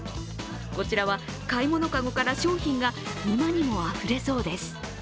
こちらは買い物かごから商品が今にもあふれそうです。